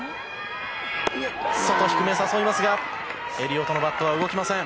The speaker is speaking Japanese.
外低め、誘いますがエリオトのバットは動きません。